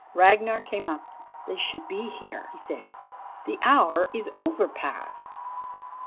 Ragnar came up. "They should be here," he said. "The hour is over past."